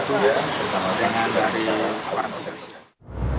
klinik kabupaten bekasi dan ingwitito banyu